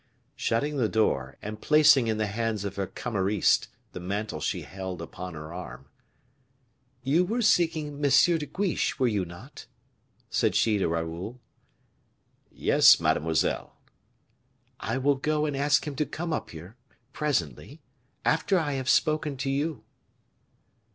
Shutting the door, and placing in the hands of her cameriste the mantle she had held upon her arm: "You were seeking M. de Guiche, were you not?" said she to Raoul. "Yes, mademoiselle." "I will go and ask him to come up here, presently, after I have spoken to you."